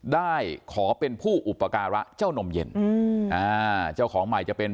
ได้ขอเป็นผู้อุปการะเจ้านมเย็นอืมอ่าเจ้าของใหม่จะเป็น